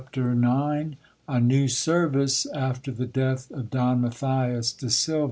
Ch. IX. — A new service, after the death of Don Matthias de Silva.